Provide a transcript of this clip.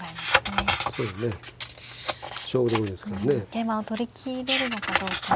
桂馬を取りきれるのかどうか。